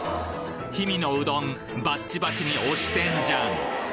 氷見のうどんバッチバチに推してんじゃん